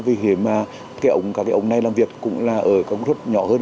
vì thế mà cái ống cả cái ống này làm việc cũng là ở công suất nhỏ hơn